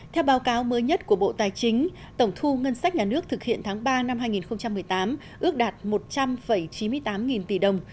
theo báo cáo mới nhất của bộ tài chính tổng thu ngân sách nhà nước thực hiện tháng ba năm hai nghìn một mươi tám ước đạt một trăm linh chín mươi tám nghìn tỷ đồng